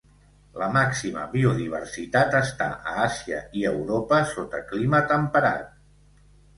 La màxima biodiversitat està a Àsia i Europa sota clima temperat.